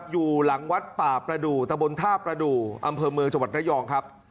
อยู่หลังวัดป่าประดูกตะบนท่าประดูกอำเภอเมืองจังหวัดระยองครับ